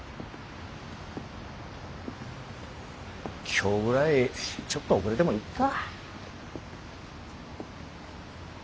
今日ぐらいちょっと遅れてもいっか。